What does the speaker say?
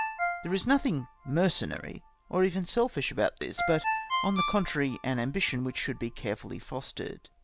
There is nothing mercenary, or even selfish about this ; but, on the contrary, an ambition which should be carefully fostered.